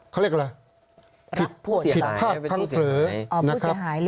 เขาเรียกว่าผิดภาพทางเผลอ